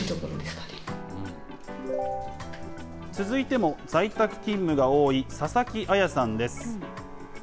続いても在宅勤務が多い佐々木彩さんです。